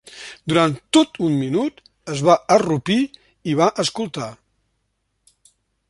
Durant tot un minut, es va arrupir i va escoltar.